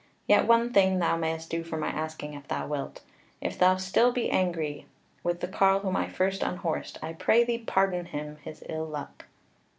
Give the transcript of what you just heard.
Yet one thing thou mayst do for my asking if thou wilt. If thou be still angry with the carle whom I first unhorsed, I pray thee pardon him his ill luck."